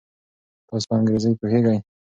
تاسو په انګریزي پوهیږئ؟